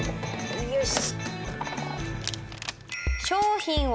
よし。